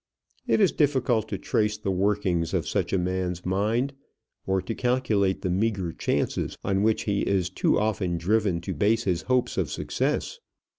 It is difficult to trace the workings of such a man's mind, or to calculate the meagre chances on which he is too often driven to base his hopes of success.